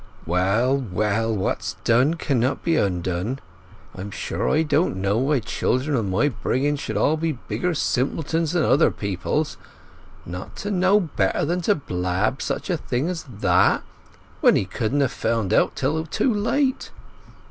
"Well, well; what's done can't be undone! I'm sure I don't know why children o' my bringing forth should all be bigger simpletons than other people's—not to know better than to blab such a thing as that, when he couldn't ha' found it out till too late!"